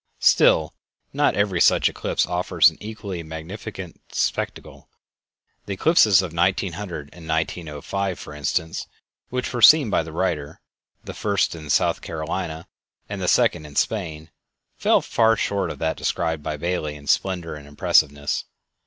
Still, not every such eclipse offers an equally magnificent spectacle. The eclipses of 1900 and 1905, for instance, which were seen by the writer, the first in South Carolina and the second in Spain, fell far short of that described by Bailey in splendor and impressiveness.